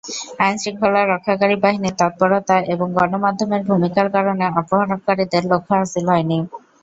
আইনশৃঙ্খলা রক্ষাকারী বাহিনীর তৎপরতা এবং গণমাধ্যমের ভূমিকার কারণে অপহরণকারীদের লক্ষ্য হাসিল হয়নি।